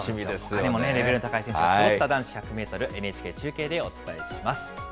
ほかにもレベルの高い選手がそろった男子１００メートル、ＮＨＫ中継でお伝えします。